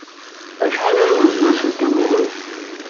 Acḥal ay yewzen uselkim-nnek?